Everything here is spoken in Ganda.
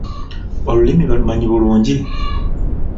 Olulimi balumanyi bulungi?